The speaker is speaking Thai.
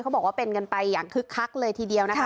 บอกว่าเป็นกันไปอย่างคึกคักเลยทีเดียวนะคะ